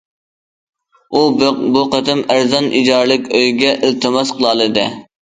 ئۇ بۇ قېتىم ئەرزان ئىجارىلىك ئۆيگە ئىلتىماس قىلالىدى.